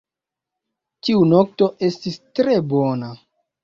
Tiu nokto estis tre bona